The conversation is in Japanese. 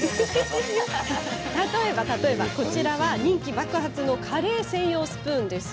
例えば、こちらは人気爆発のカレー専用スプーン。